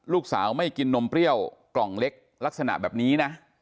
ลูกสาวไม่กินนมเปรี้ยวกล่องเล็กลักษณะแบบนี้นะ